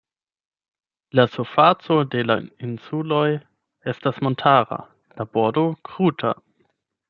La surfaco de la insuloj estas montara, la bordo kruta.